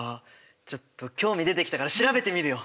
ちょっと興味出てきたから調べてみるよ！